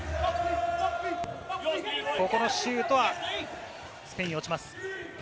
ここのシュートは、スペイン、落ちます。